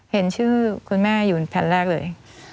เห็นชื่อคุณแม่อยู่แผ่นแรกเลย